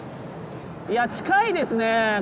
いや近いですね。